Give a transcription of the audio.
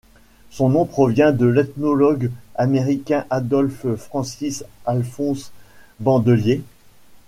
Son nom provient de l'ethnologue américain Adolph Francis Alphonse Bandelier.